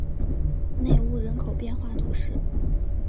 内乌人口变化图示